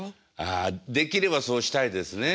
ああできればそうしたいですね。